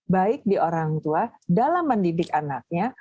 baik di orang tua dalam mendidik anaknya